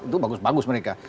itu bagus bagus mereka